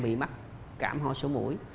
bị mắc cảm ho sổ mũi